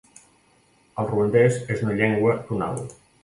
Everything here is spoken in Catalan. El ruandès és una llengua tonal.